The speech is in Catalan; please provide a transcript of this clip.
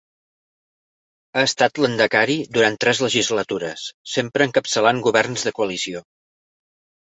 Ha estat Lehendakari durant tres legislatures, sempre encapçalant governs de coalició.